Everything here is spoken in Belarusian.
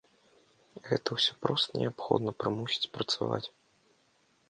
Гэта ўсё проста неабходна прымусіць працаваць.